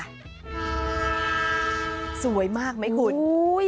สวยมากมั้ยคุณ